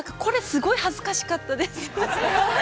すごい恥ずかしかったです。